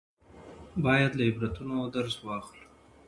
باید له عبرتونو درس واخلو.